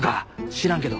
知らんけど。